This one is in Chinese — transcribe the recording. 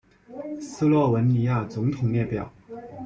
斯洛文尼亚总统列表